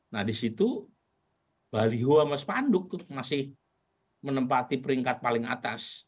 nah disitu baliho sama spanduk masih menempati peringkat paling atas